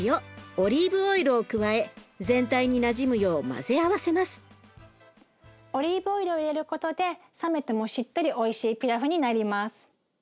オリーブオイルを入れることで冷めてもしっとりおいしいピラフになります。